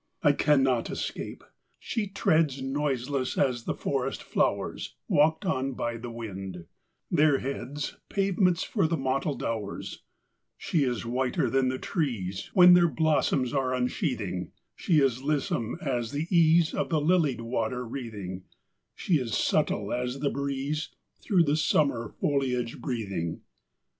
III I can not escape. She treads Noiseless as the forest flowers Walked on by the wind; their heads Pavements for the mottled hours: She is whiter than the trees When their blossoms are unsheathing; She is lissome as the ease Of the lilied water wreathing; She is subtle as the breeze Through the summer foliage breathing.